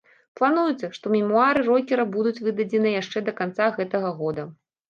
Плануецца, што мемуары рокера будуць выдадзеныя яшчэ да канца гэтага года.